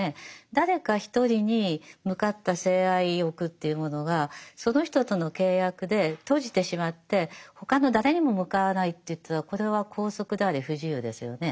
誰か１人に向かった性愛欲というものがその人との契約で閉じてしまって他の誰にも向かわないといったらこれは拘束であり不自由ですよね。